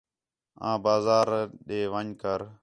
آں بازار ݙے ون٘ڄ کر